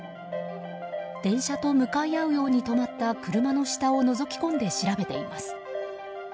電車と向かい合うように止まった車の下をのぞき込んで調べています。